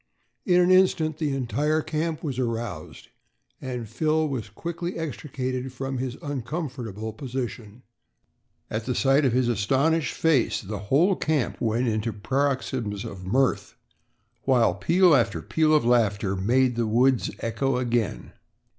In an instant the entire camp was aroused and Phil was quickly extricated from his uncomfortable position. At the sight of his astonished face, the whole camp went into paroxysms of mirth, while peal after peal of laughter made the woods echo again.